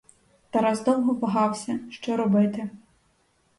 Тарас довго вагався, що робити.